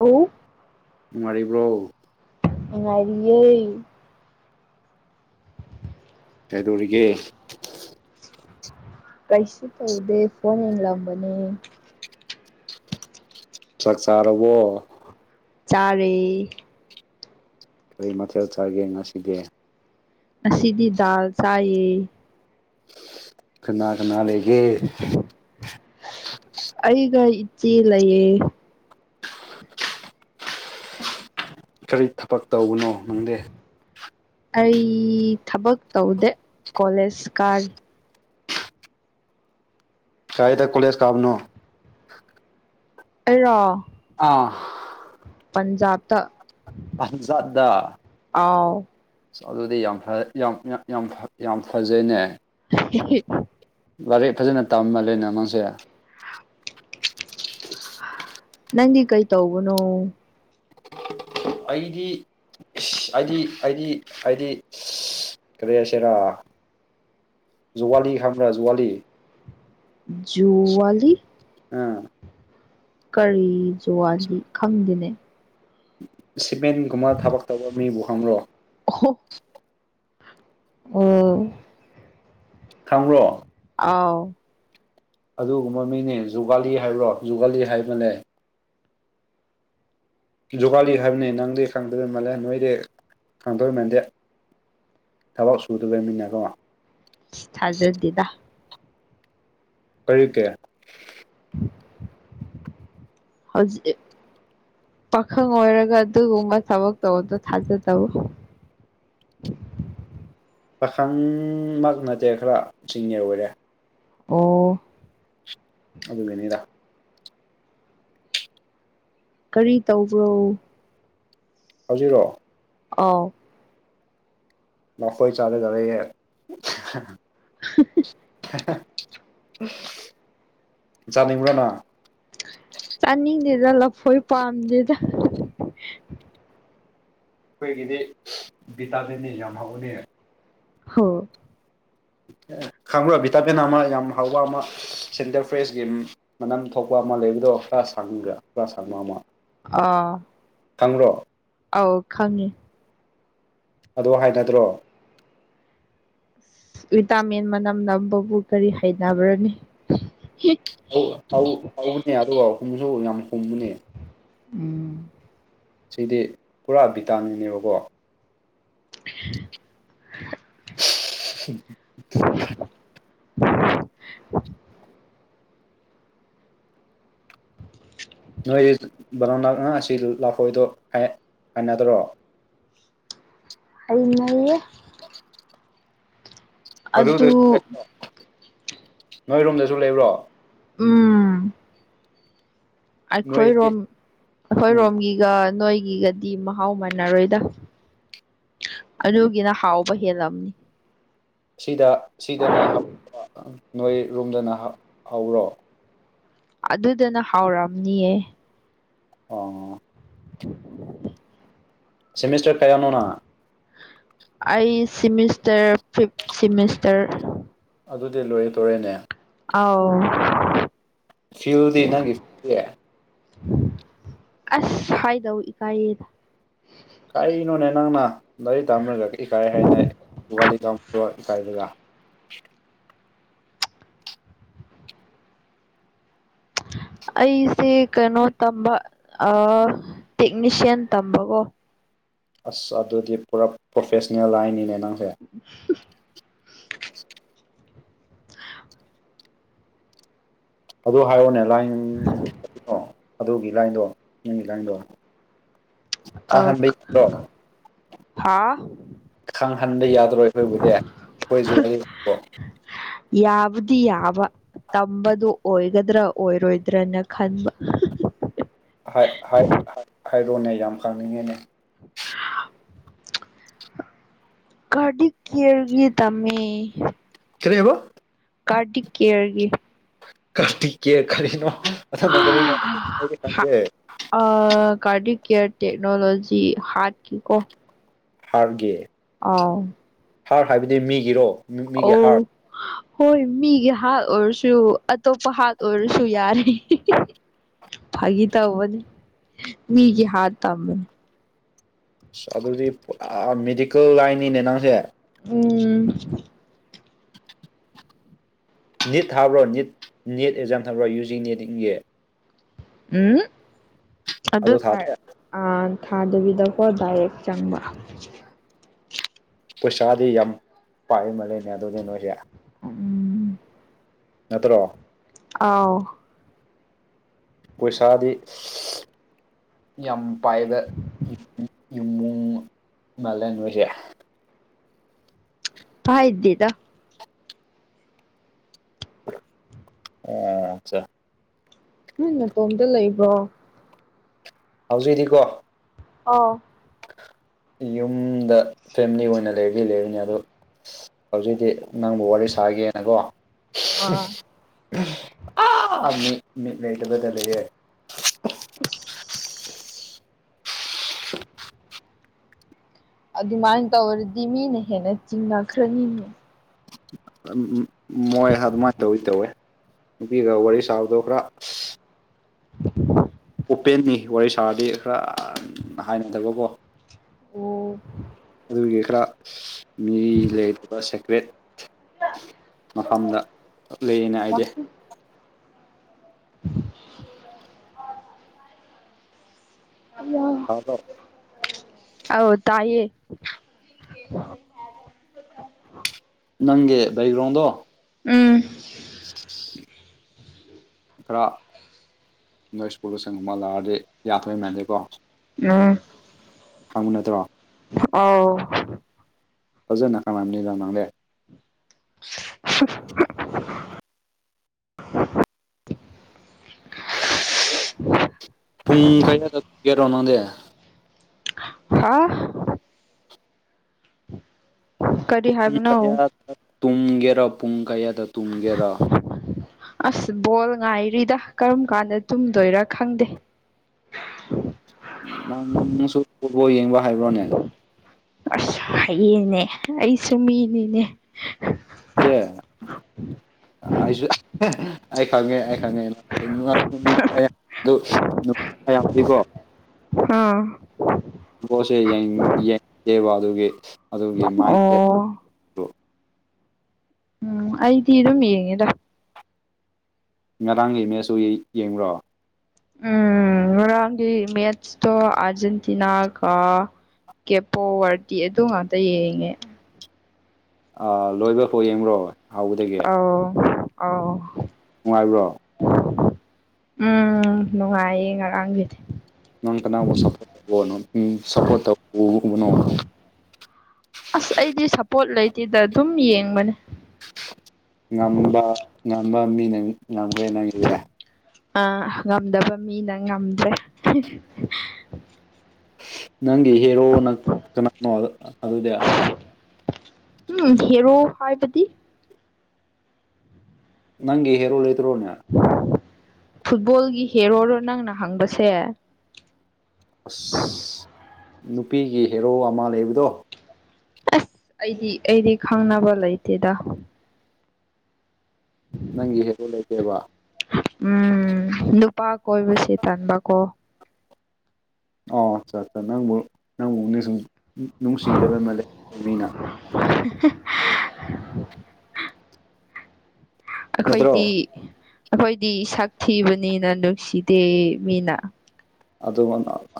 ꯑꯣ ꯅꯨꯡꯉꯥꯏꯔꯤꯕ꯭ꯔꯣ ꯅꯨꯉꯥꯏꯔꯤꯌꯦ ꯀꯩꯗꯧꯔꯤꯒꯦ ꯀꯩꯁꯤ ꯇꯧꯗꯦ ꯐꯣꯟ ꯌꯦꯡꯂꯝꯕꯅꯦ ꯆꯥꯛ ꯆꯥꯔꯕꯣ ꯆꯥꯔꯦ ꯀꯔꯤ ꯃꯊꯦꯜ ꯆꯥꯒꯦ ꯉꯁꯤꯗꯤ ꯉꯁꯤꯗꯤ ꯗꯥꯜ ꯆꯥꯏꯌꯦ ꯀꯅꯥ ꯀꯅꯥ ꯂꯩꯒꯦ ꯑꯩꯒ ꯏꯆꯦ ꯂꯩꯌꯦ ꯀꯔꯤ ꯊꯕꯛ ꯇꯧꯕꯅꯣ ꯅꯪꯗꯤ ꯑꯩ ꯊꯕꯛ ꯇꯧꯗꯦ ꯀꯣꯂꯦꯖ ꯀꯥꯔꯤ ꯀꯥꯏꯗ ꯀꯣꯂꯦꯁ ꯀꯥꯕꯅꯣ ꯑꯩꯔꯣ ꯑꯥ ꯄꯟꯖꯥꯕꯇ ꯄꯟꯖꯥꯕ ꯇꯥ ꯑꯥꯎ ꯑꯁ ꯑꯗꯨꯗꯤ ꯌꯥꯝ ꯐꯔꯦ ꯌꯥꯝ ꯌꯥꯝ ꯌꯥꯝ ꯐꯖꯩꯅꯦ [unintelligible] ꯂꯥꯏꯔꯤꯛ ꯐꯖꯅ ꯇꯝꯃꯜꯂꯦꯅ ꯅꯪꯁꯦ ꯅꯪꯗꯤ ꯀꯩ ꯇꯧꯕꯅꯣ ꯑꯩꯗꯤ ꯑꯩꯗꯤ ꯑꯩꯗꯤ ꯑꯩꯗꯤ ꯀꯔꯤ ꯍꯥꯏꯁꯦꯔꯥ ꯖꯨꯒꯂꯤ ꯈꯪꯕꯔꯥ ꯖꯨꯒꯂꯤ ꯖꯨꯨꯋꯥꯂꯤ ꯎꯝ ꯀꯔꯤ ꯖꯨꯋꯥꯂꯤ ꯈꯪꯗꯦꯅꯦ ꯁꯤꯃꯦꯟꯒꯨꯝꯕ ꯊꯕꯛ ꯇꯧꯕ ꯃꯤꯕꯨ ꯍꯪꯔꯣ ꯑꯣꯍꯣ ꯎꯝ ꯈꯪꯕ꯭ꯔꯣ ꯑꯥꯎ ꯑꯗꯨꯒꯨꯝꯕ ꯃꯤꯅꯦ ꯖꯨꯋꯥꯂꯤ ꯍꯥꯏꯕ꯭ꯔꯣ ꯖꯨꯒꯥꯂꯤ ꯍꯥꯏꯕꯅꯦ ꯖꯨꯒꯥꯂꯤ ꯍꯥꯏꯕꯅꯤ ꯅꯪꯗꯤ ꯈꯪꯗꯕ ꯃꯥꯜꯂꯦ ꯅꯣꯏꯗꯤ ꯈꯪꯗꯣꯏ ꯃꯥꯟꯗꯦ ꯊꯕꯛ ꯁꯨꯗꯔꯕꯅꯤꯅꯥ ꯀꯣ ꯊꯥꯖꯗꯦꯗ ꯀꯔꯤ ꯀꯤ [inaudible] ꯍꯧꯖꯤ ꯄꯥꯈꯪ ꯑꯣꯏꯔꯒ ꯑꯗꯨꯒꯨꯝꯕ ꯊꯕꯛ ꯇꯧꯕꯗꯣ ꯊꯥꯖꯗꯕ ꯄꯥꯈꯪꯃꯛ ꯅꯠꯇꯦ ꯈꯔ ꯁꯤꯅꯦꯔ ꯑꯣꯏꯔꯦ ꯑꯣ ꯑꯗꯨꯒꯤꯅꯤꯗ ꯀꯔꯤ ꯇꯧꯕ꯭ꯔꯣ ꯍꯧꯖꯤꯛꯔꯣ ꯑꯥꯎ ꯂꯐꯣꯏ ꯆꯔꯒꯥ ꯂꯩꯌꯦ ꯆꯥꯅꯤꯡꯕꯔꯥ ꯅꯪ ꯆꯥꯅꯤꯡꯗꯦꯗ ꯂꯐꯣꯏ ꯄꯥꯝꯗꯦꯗ ꯑꯩꯈꯣꯏꯒꯤꯗꯤ ꯚꯤꯇꯥꯃꯤꯟꯅꯤ ꯌꯥꯝ ꯍꯥꯎꯕꯅꯦ ꯍ ꯈꯡꯕꯔꯥ ꯚꯤꯇꯥꯃꯤꯟ ꯑꯃ ꯌꯥꯝ ꯍꯥꯎꯕ ꯑꯃ ꯁꯦꯟꯇꯔ ꯐ꯭ꯔꯦꯁꯒꯤ ꯃꯅꯝ ꯊꯣꯛꯄ ꯑꯃ ꯂꯩꯕꯗꯣ ꯈꯔ ꯁꯥꯡꯒ꯭ꯔꯥ ꯈꯔ ꯁꯥꯡꯕ ꯑꯃ ꯑꯥ ꯈꯪꯕꯔꯣ ꯑꯧ ꯈꯪꯉꯦ ꯑꯗꯣ ꯍꯥꯏꯅꯗ꯭ꯔꯣ ꯚꯤꯇꯥꯃꯤꯟ ꯃꯅꯝ ꯅꯝꯕꯕꯨ ꯀꯔꯤ ꯍꯩꯅꯕ꯭ꯔꯅꯤ ꯍꯧ ꯍꯧ ꯍꯧꯕꯅꯦ ꯑꯗꯨꯒ ꯍꯨꯝꯁꯨ ꯌꯥꯝ ꯍꯨꯝꯕꯅꯦ ꯎꯝ ꯁꯤꯗꯤ ꯄꯨꯔꯥ ꯚꯤꯇꯥꯃꯤꯟꯅꯦꯕꯀꯣ [unintelligible] [unintelligible] ꯅꯣꯏ ꯕꯅꯣꯅꯥ ꯉꯥ ꯑꯁꯤ ꯂꯥꯐꯣꯏꯗꯣ ꯍꯩꯅꯗꯔꯣ ꯍꯩꯅꯌꯦ [unintelligible] ꯑꯗꯨ ꯑꯗꯨꯗꯁꯨ ꯂꯩꯕ ꯅꯣꯏꯔꯣꯝꯗꯁꯨ ꯂꯩꯕ꯭ꯔꯣ ꯎꯝ ꯅꯣꯏꯒꯤ ꯑꯩꯈꯣꯏꯔꯣꯝ ꯎꯝ ꯑꯩꯈꯣꯏꯔꯣꯝꯒꯤꯒ ꯅꯣꯏꯒꯤꯒꯗꯤ ꯃꯍꯥꯎ ꯃꯥꯟꯅꯔꯣꯏꯗ ꯑꯗꯨꯒꯤꯅ ꯍꯥꯎꯕ ꯍꯦꯜꯂꯝꯅꯤ ꯁꯤꯗ ꯁꯤꯗꯅ ꯍꯥꯎꯕꯔꯣ ꯅꯣꯏ ꯔꯨꯝꯗꯅ ꯍꯧꯕꯔꯣ ꯑꯗꯨꯗꯅ ꯍꯥꯎꯔꯝꯅꯤꯌꯦ ꯑꯣ ꯁꯦꯃꯤꯁꯇꯔ ꯀꯌꯥꯅꯣ ꯅꯪ ꯑꯩ ꯁꯤꯃꯤꯁꯇꯔ ꯐꯤꯞ ꯁꯤꯃꯤꯁꯇꯔ ꯑꯗꯨꯗꯤ ꯂꯣꯏꯔꯦ ꯇꯣꯏꯔꯦꯅꯦ ꯑꯥꯎ ꯐꯤꯜꯗꯤ ꯅꯪꯒꯤ ꯐꯦ ꯑꯁ ꯍꯥꯏꯗꯧ ꯏꯀꯥꯏꯌꯦꯗ ꯀꯔꯤꯅꯣꯅꯦ ꯅꯪꯅ ꯂꯥꯏꯔꯤꯛ ꯇꯥꯝꯃꯔꯒ ꯏꯀꯥꯏ ꯍꯥꯏꯅ ꯒꯥꯂꯤ ꯇꯥꯃꯣ ꯏꯀꯥꯏꯔꯒ ꯑꯩꯁꯦ ꯀꯩꯅꯣ ꯇꯝꯕ ꯑꯥ ꯇꯦꯛꯅꯤꯁꯤꯌꯥꯟ ꯇꯝꯕꯀꯣ ꯑꯁ ꯑꯗꯨꯗꯤ ꯄꯨꯔꯥ ꯄ꯭ꯔꯣꯐꯦꯁꯅꯦꯜ ꯍꯥꯏꯅꯤꯅꯦ ꯅꯪꯁꯦ [unintelligible] [unintelligible] ꯑꯗꯨ ꯍꯥꯏꯔꯛꯑꯣꯅꯦ ꯂꯥꯏꯟ ꯑꯗꯨꯒꯤ ꯂꯥꯏꯟꯗꯣ ꯅꯪꯒꯤ ꯂꯥꯏꯟꯗꯣ [unintelligible] ꯍꯥꯥ ꯈꯪꯍꯟꯕ ꯌꯥꯗꯔꯣ ꯑꯩꯈꯣꯏꯕꯨꯗꯤ ꯑꯩꯈꯣꯏꯁꯨ ꯋꯥꯔꯤꯗꯣ ꯌꯥꯕꯨꯗꯤ ꯌꯥꯕ ꯇꯝꯕꯗꯣ ꯑꯣꯏꯒꯗ꯭ꯔꯣ ꯑꯣꯏꯔꯣꯏꯗ꯭ꯔꯅ ꯈꯟꯕ ꯍꯥꯏ ꯍꯥꯏ ꯍꯥꯏ ꯍꯥꯏꯔꯣꯑꯣꯅꯦ ꯌꯥꯝ ꯈꯪꯅꯤꯡꯉꯦꯅꯦ [unintelligible] ꯀꯥꯔꯗꯤꯛ ꯀꯤꯌꯔꯒꯤꯗ ꯇꯝꯃꯤ ꯀꯔꯤꯍꯥꯏꯕ ꯀꯥꯔꯗꯤꯛ ꯀꯤꯌꯔꯒꯤ ꯀꯥꯔꯇꯤꯛ ꯀꯤꯌꯔ ꯀꯔꯤꯅꯣ ꯑꯗꯨꯅ ꯀꯔꯤꯅꯣ ꯈꯣꯏꯗꯤ ꯈꯪꯗꯦ ꯑ ꯀꯥꯔꯗꯤꯛ ꯀꯦꯌꯔ ꯇꯦꯛꯅꯣꯂꯣꯖꯤ ꯍꯥꯠꯀꯤ ꯀꯣ ꯍꯥꯔꯒꯤ ꯑꯥꯎ ꯍꯥꯔ ꯍꯥꯏꯕꯗꯤ ꯃꯤꯒꯤꯔꯣ ꯃꯤꯒꯤ ꯑꯣ [unintelligible] ꯍꯣꯏ ꯃꯤꯒꯤ ꯍꯥꯠ ꯑꯣꯏꯔꯁꯨ ꯑꯇꯣꯞꯄ ꯍꯥꯠ ꯑꯣꯏꯔꯁꯨ ꯌꯥꯔꯦ ꯐꯥꯒꯤ ꯇꯕꯅꯤ ꯃꯤꯒꯤ ꯍꯥꯔ ꯇꯝꯃꯨ ꯑꯁ ꯑꯗꯨꯗꯤ ꯄꯨ ꯑꯥ ꯃꯦꯗꯤꯀꯦꯜ ꯂꯥꯏꯟꯅꯤꯅꯦ ꯅꯪꯁꯦ ꯎꯝ ꯅꯤꯠ ꯊꯥꯕ꯭ꯔꯣ ꯅꯤꯠ ꯅꯦꯠ ꯑꯦꯛꯖꯥꯝ ꯊꯥꯕ꯭ꯔꯣ ꯌꯨꯖꯤ ꯅꯦꯇꯤꯡꯒꯤ ꯎꯝ ꯑꯗꯨ ꯊꯥꯏ ꯑꯥ ꯊꯥꯗꯕꯤꯀꯣ ꯗꯥꯏꯔꯦꯛ ꯆꯪꯕ ꯄꯩꯁꯥꯗꯤ ꯌꯥꯝ ꯄꯥꯏ ꯃꯜꯂꯦꯅꯦ ꯑꯗꯨꯗꯤ ꯅꯣꯏꯖꯦ ꯎꯝ ꯅꯠꯇꯔꯣ ꯑꯥꯎ ꯀꯣꯏꯁꯥꯗꯤ ꯌꯥꯝ ꯄꯥꯏꯗ ꯏꯌꯨꯃꯨꯡ ꯃꯥꯂꯦ ꯄꯣꯏꯁꯦ ꯐꯥꯏꯗꯦꯗ ꯑꯣ ꯑꯠꯆꯥ ꯅꯣꯏ ꯅꯇꯣꯝꯗ ꯂꯩꯕ꯭ꯔꯣ ꯍꯧꯖꯤꯛꯗꯤꯀꯣ ꯑꯧ ꯌꯨꯝꯗ ꯐꯦꯃ꯭ꯂꯤ ꯑꯣꯏꯅ ꯂꯩꯕꯗꯤ ꯂꯩꯔꯤꯅꯦ ꯑꯗꯣ ꯍꯧꯖꯤꯛꯇꯤ ꯅꯪꯕꯨ ꯋꯥꯔꯤ ꯁꯥꯒꯦꯅꯀꯣ ꯑꯥ ꯑꯥ ꯃꯤ ꯃꯤ ꯂꯩꯇꯕꯗ ꯂꯩꯌꯦ ꯑꯁ ꯑꯗꯨꯃꯥꯏꯅ ꯇꯧꯔꯗꯤ ꯃꯤꯅ ꯍꯦꯟꯅ ꯆꯤꯡꯅꯈ꯭ꯔꯅꯤꯅꯦ ꯃꯣꯏ ꯍ ꯑꯗꯨꯃꯥꯏꯟ ꯇꯧꯏ ꯇꯧꯋꯦ ꯅꯨꯄꯤꯒ ꯋꯥꯔꯤ ꯁꯥꯕꯗꯣ ꯈ꯭ꯔ ꯑꯣꯄꯦꯟꯅꯤ ꯋꯥꯔꯤ ꯁꯥꯔꯗꯤ ꯈ꯭ꯔ ꯍꯥꯏꯅꯗꯕꯀꯣ ꯑꯣ ꯑꯗꯨꯒꯤ ꯈ꯭ꯔ ꯃꯤ ꯂꯩꯇꯕ ꯁꯦꯀ꯭ꯔꯦꯠ ꯃꯐꯝꯗ ꯀꯞ ꯂꯩꯌꯦꯅꯦ ꯑꯥꯏꯗꯦ ꯋꯥꯁꯔꯨꯝ ꯏꯌꯣ ꯇꯥꯕ꯭ꯔꯣ ꯑꯧ ꯇꯥꯏꯌꯦ ꯅꯪꯒꯤ ꯕꯩꯒ꯭ꯔꯣꯡꯗꯣ ꯎꯝ [unintelligible] ꯈ꯭ꯔ ꯅꯣꯏ ꯁ꯭ꯀꯨꯜꯗ ꯁꯟꯒꯨꯝꯕ ꯂꯥꯛꯑꯗꯤ ꯌꯥꯊꯣꯏ ꯃꯥꯟꯗꯦꯀꯣ ꯎꯝ ꯈꯪꯕ ꯅꯠꯇ꯭ꯔꯣ ꯑꯥꯎ ꯐꯖꯥꯅ ꯈꯪꯉꯝꯅꯤꯗ ꯅꯪꯗꯦ [inaudible] ꯄꯨꯡ ꯀꯌꯥꯗ ꯒꯦꯔꯣ ꯅꯪꯗꯦ ꯍꯥꯥ ꯀꯔꯤ ꯄꯨꯡ ꯍꯥꯏꯕꯅꯣ ꯀꯌꯥꯗ ꯇꯨꯝꯒꯦꯔ ꯄꯨꯡ ꯀꯌꯥꯗ ꯇꯨꯝꯒꯦꯔ ꯑꯁ ꯕꯣꯜ ꯉꯥꯏꯔꯤꯗ ꯀꯔꯝꯀꯥꯟꯗ ꯇꯨꯝꯗꯣꯏꯔ ꯈꯪꯗꯦ ꯅꯪꯁꯨ ꯐꯨꯠꯕꯣꯜ ꯌꯦꯡꯕ ꯍꯥꯏꯕ꯭ꯔꯣꯅꯦ ꯑꯁ ꯍꯌꯦꯡꯅꯦ ꯑꯩꯁꯨ ꯃꯤꯅꯤꯅꯦ ꯑꯦ ꯑꯩꯁꯨ ꯑꯩ ꯈꯪꯉꯦ ꯑꯩ ꯈꯪꯉꯦ [unintelligible] ꯍꯝ [unintelligible] ꯑꯗꯨꯒꯤ ꯃꯥꯏꯟꯁꯦꯠꯇꯨ ꯑꯣ ꯎꯝ ꯑꯩꯗꯤ ꯑꯗꯨꯝ ꯌꯦꯡꯉꯦꯗ ꯉꯔꯥꯡꯒꯤꯃꯦꯁ ꯎꯨꯏ ꯌꯦꯡꯕ꯭ꯔꯣ ꯎꯝ ꯉꯔꯥꯡꯒꯤ ꯃꯦꯠꯆꯇꯣ ꯑꯔꯖꯦꯟꯇꯤꯅꯥ ꯀ ꯀꯦꯄꯣ ꯋꯥꯔꯇꯤ ꯑꯗꯨ ꯉꯥꯛꯇ ꯌꯦꯡꯉꯦ ꯑꯥ ꯂꯣꯏꯕꯐꯥꯎ ꯌꯦꯡꯕ꯭ꯔꯣ ꯍꯥꯎꯕꯗꯒꯤ ꯑꯥꯎ ꯑꯥꯎ ꯅꯨꯡꯉꯥꯏꯕ꯭ꯔꯣ ꯎꯝ ꯅꯨꯡꯉꯥꯏꯌꯦ ꯉꯔꯥꯡꯒꯤꯗꯤ ꯅꯪ ꯀꯅꯥꯒꯨꯝꯕ ꯁꯄꯣꯔꯠ [unintelligible] ꯑꯁ ꯑꯩꯗꯤ ꯁꯞꯄꯣꯔꯠ ꯂꯩꯇꯦꯗ ꯑꯗꯨꯝ ꯌꯦꯡꯕꯅꯦ ꯉꯝꯕ ꯉꯝꯕ ꯃꯤꯅꯥ ꯉꯝꯈꯒꯔꯦ ꯅꯪꯒꯤ ꯑ ꯉꯝꯗꯕ ꯃꯤꯅ ꯉꯝꯗ꯭ꯔꯦ ꯅꯪꯒꯤ ꯍꯦꯔꯣꯅ ꯀꯅꯥꯅꯣ ꯑꯗꯨꯗꯤ ꯎꯝ ꯍꯦꯔꯣ ꯍꯥꯏꯕꯗꯤ ꯅꯪꯒꯤ ꯍꯦꯔꯣ ꯂꯩꯗ꯭ꯔꯣꯅꯦ ꯐꯨꯠꯕꯣꯜꯒꯤ ꯍꯦꯔꯣꯔꯣ ꯅꯪꯅ ꯍꯪꯕꯁꯦ ꯑꯁ ꯅꯨꯄꯤꯒꯤ ꯍꯦꯔꯣ ꯑꯃ ꯂꯩꯕꯗꯣ ꯑꯩꯗꯤ ꯑꯩꯗꯤ ꯈꯪꯅꯕ ꯂꯩꯇꯦꯗ ꯅꯪꯒꯤ [unintelligible] ꯂꯩꯇꯦꯕ ꯎꯝ ꯅꯨꯄꯥ ꯀꯣꯏꯕꯁꯦ ꯇꯟꯕꯀꯣ ꯑꯣ ꯑꯆꯥꯆ ꯅꯪꯕꯨ ꯅꯪꯕꯨ ꯁꯨꯝ ꯅꯨꯡꯁꯤ [unintelligible] ꯃꯤꯅ [unintelligible] ꯑꯈꯣꯏꯗꯤ ꯅꯠꯇ꯭ꯔꯣ ꯑꯈꯣꯏꯗꯤ ꯁꯛ ꯊꯤꯕꯅꯤꯅ ꯅꯨꯡꯁꯤꯗꯦ ꯃꯤꯅ ꯑꯗꯨ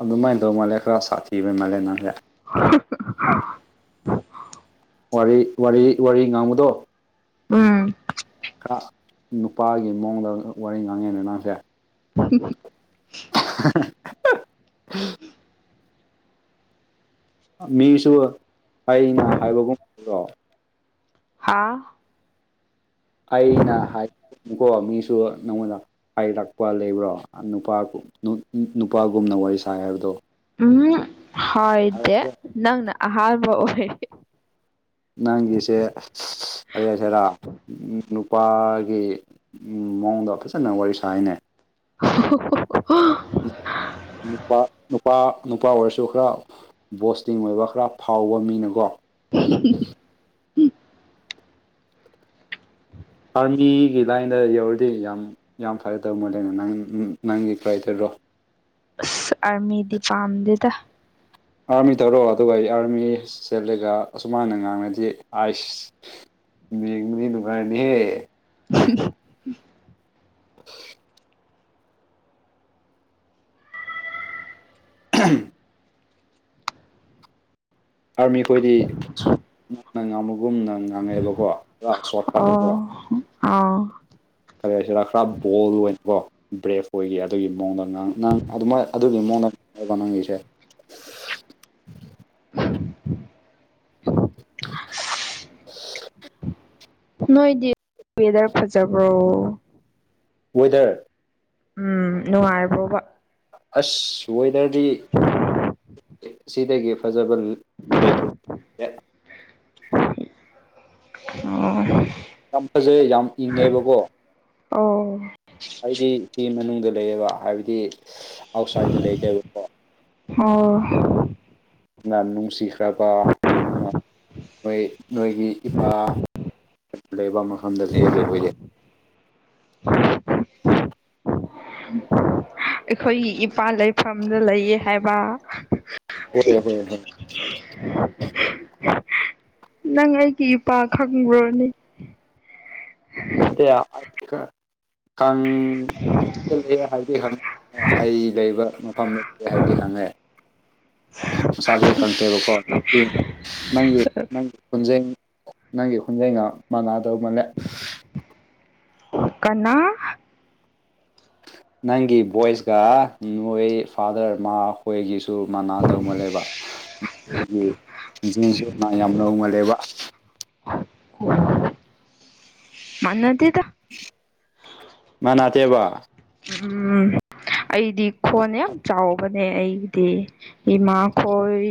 ꯑꯗꯨꯃꯥꯏꯅ ꯇꯧ ꯃꯥꯜꯂꯦ ꯈꯔ ꯁꯥꯊꯤꯕꯩ ꯃꯥꯜꯂꯦ ꯅꯪꯁꯦ [inaudible] ꯋꯥꯔꯤ ꯋꯥꯔꯤ ꯋꯥꯔꯤ ꯉꯥꯡꯕꯗꯣ ꯎꯝ ꯅꯨꯄꯥꯒꯤ ꯃꯑꯣꯡꯗ ꯋꯥꯔꯤ ꯉꯥꯡꯉꯦꯅꯦ ꯅꯪꯁꯦ [unintelligible] [unintelligible] ꯃꯤꯁꯨ ꯑꯩꯅ ꯍꯥꯏꯕꯒꯨꯝꯕꯗꯣ ꯍꯥꯥ ꯑꯩꯅ ꯍꯥꯏꯀꯣ ꯃꯤꯁꯨ ꯅꯪꯉꯣꯟꯗ ꯍꯥꯏꯔꯛꯄ ꯂꯩꯕ꯭ꯔꯣ ꯅꯨꯄꯥ ꯅꯨ ꯅꯨꯄꯥꯒꯨꯝꯅ ꯋꯥꯔꯤ ꯁꯥꯏ ꯍꯥꯏꯕꯗꯣ ꯎꯝ ꯍꯥꯏꯗꯦ ꯅꯪꯅ ꯑꯍꯥꯟꯕ ꯑꯣꯏ ꯅꯪꯒꯤꯁꯦ ꯀꯔꯤꯍꯁꯤꯔꯥ ꯅꯨꯄꯥꯒꯤ ꯃꯑꯣꯡꯗ ꯐꯖꯅ ꯋꯥꯔꯤ ꯁꯥꯏꯅꯦ [unintelligible] ꯅꯨꯄꯥ ꯅꯨꯄꯥ ꯅꯨꯄꯥ ꯑꯣꯏꯔꯁꯨ ꯈꯔ ꯕꯣꯁꯇꯤꯡ ꯑꯣꯏꯕ ꯈꯔ ꯐꯥꯎꯕ ꯃꯤꯅꯀꯣ [unintelligible] ꯑꯥꯔꯃꯤꯒꯤ ꯂꯥꯏꯟꯗ ꯌꯧꯔꯗꯤ ꯌꯥꯝ ꯌꯥꯝ ꯐꯔꯇꯧ ꯃꯥꯜꯂꯦꯅꯦ ꯅꯪ ꯅꯪꯒꯤ ꯀ꯭ꯂꯥꯏꯇꯔꯗꯣ ꯑꯁ ꯑꯥꯔꯃꯤꯗꯤ ꯄꯥꯝꯗꯦꯗ ꯑꯥꯔꯃꯤ ꯇꯧꯔꯣ ꯑꯗꯨꯒ ꯏꯌꯥꯔꯃꯤꯁ ꯆꯠꯂꯒ ꯑꯁꯨꯃꯥꯏꯅ ꯉꯥꯡꯔꯗꯤ ꯑꯥꯏꯁ ꯃꯤꯡꯗꯤ ꯅꯨꯡꯉꯥꯏꯔꯅꯤꯍꯦ [unintelligible] [unintelligible] ꯑꯥꯔꯃꯤ ꯑꯩꯈꯣꯏꯗꯤ [unintelligible] ꯉꯥꯡꯕꯒꯨꯝꯅ ꯉꯥꯡꯉꯩꯑꯕꯀꯣ ꯄꯨꯔꯥ ꯁꯣꯔꯠꯀꯥꯠꯇꯀꯣ ꯑꯥꯎ ꯀꯔꯤ ꯍꯥꯏꯁꯤꯔ ꯈꯔ ꯕꯣꯜ ꯑꯣꯏꯅꯀꯣ ꯕ꯭ꯔꯦꯐ ꯑꯣꯏꯒꯤ ꯑꯗꯨꯒꯤ ꯃꯑꯣꯡꯗ ꯉꯥꯡ ꯉꯥꯡ ꯑꯗꯨꯃꯥꯏꯅ ꯑꯗꯨꯒꯤ ꯃꯑꯣꯡꯗꯅꯦꯕ ꯅꯪꯒꯤꯁꯦ [unintelligible] ꯅꯣꯏꯗꯤ ꯋꯦꯗꯔ ꯐꯖꯕ꯭ꯔꯣ ꯋꯦꯗꯔ ꯎꯝ ꯅꯨꯡꯉꯥꯏꯕ꯭ꯔꯣꯕ ꯑꯁ ꯋꯦꯗꯔꯗꯤ ꯁꯤꯗꯒꯤ ꯐꯖꯕ ꯂꯩꯊꯨꯛ ꯇꯦ ꯑꯣ ꯌꯥꯝ ꯐꯖꯩ ꯌꯥꯝ ꯏꯪꯉꯦꯕꯀꯣ ꯑꯣ ꯍꯥꯏꯗꯤ ꯏꯆꯦ ꯃꯅꯨꯡꯗ ꯂꯩꯌꯦꯕ ꯍꯥꯏꯕꯗꯤ ꯑꯥꯎꯠꯁꯥꯏꯗꯠꯇ ꯂꯩꯇꯦꯕꯀꯣ ꯑꯣ ꯅ ꯅꯨꯡꯁꯤꯈ꯭ꯔꯕ ꯅꯪꯅ ꯅꯣꯏ ꯅꯣꯏꯒꯤ ꯏꯄꯥ ꯂꯩꯕ ꯃꯐꯝꯗ ꯂꯩꯑꯦꯕ ꯑꯩꯈꯣꯏꯗꯤ ꯑꯩꯈꯣꯏꯒꯤ ꯏꯄꯥꯥ ꯂꯩꯐꯝꯗ ꯂꯩꯌꯦ ꯍꯥꯏꯕ ꯍꯣꯏ [inaudible] ꯅꯪ ꯑꯩꯒꯤ ꯏꯄꯥ ꯈꯪꯕ꯭ꯔꯣꯅꯦ ꯑꯌꯥ ꯑꯥꯏꯗꯤ ꯈ ꯈꯪ [unintelligible] ꯍꯥꯏꯗꯤ ꯈꯪ ꯑꯩ ꯂꯩꯕ ꯃꯐꯝꯅꯤ ꯍꯥꯏꯕꯗꯤ ꯈꯪꯉꯦ ꯃꯁꯥꯗꯤ ꯈꯪꯇꯦꯕꯀꯣ ꯅꯪꯒꯤ ꯅꯪꯒꯤ ꯈꯣꯟꯖꯦꯡ ꯅꯪꯒꯤ ꯈꯣꯟꯖꯦꯟꯒ ꯃꯥꯟꯅꯗꯧ ꯃꯥꯜꯂꯦ ꯀꯅꯥ ꯅꯪꯒꯤ ꯚꯣꯏꯁꯀ ꯅꯣꯏ ꯐꯥꯗꯔ ꯃꯥꯈꯣꯏꯒꯤꯁꯨ ꯃꯅꯥꯗꯧ ꯃꯥꯜꯂꯦꯕ ꯅꯣꯏꯒꯤ ꯏꯟꯖꯤꯟꯁꯨ ꯅ ꯌꯥꯝ ꯅꯧꯃꯜꯂꯦꯕ ꯃꯥꯟꯅꯗꯦꯗ ꯃꯥꯟꯅꯇꯦꯕ ꯎꯝ ꯑꯩꯗꯤ ꯈꯣꯟ ꯌꯥꯝ ꯆꯥꯎꯕ ꯅꯦ ꯑꯩꯒꯤꯗꯤ ꯏꯃꯥ ꯈꯣꯏ